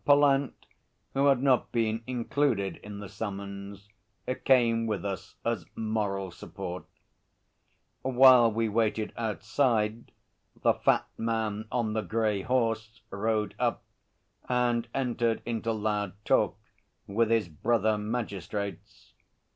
Pallant, who had not been included in the summons, came with us as moral support. While we waited outside, the fat man on the grey horse rode up and entered into loud talk with his brother magistrates.